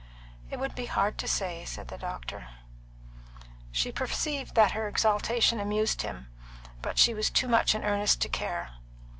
"It would be hard to say," said the doctor. She perceived that her exaltation amused him, but she was too much in earnest to care.